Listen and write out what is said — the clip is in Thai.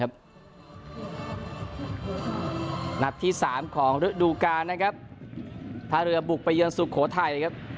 หนัดที่สามของฤดูกาท่าเรือบุกไปเยือนสุโขทไป